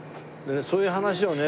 そういう話をね